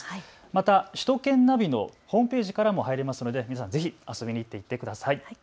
また首都圏ナビのホームページからも入れるので皆さんぜひ遊びに行ってみてください。